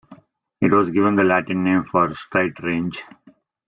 It was given the Latin name for "Straight Range".